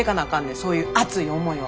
そういう熱い思いは。